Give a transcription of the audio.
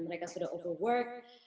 mereka sudah overwork